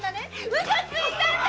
ウソついてたんだ！